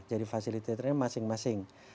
jadi facilitator nya masing masing